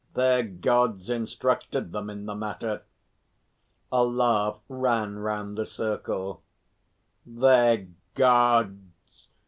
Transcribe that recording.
"Their Gods instructed them in the matter." A laugh ran round the circle. "Their Gods!